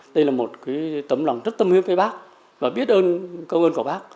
đây là một tấm lòng rất tâm hư với bác và biết ơn công ơn của bác